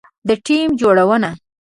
د ټیم جوړونه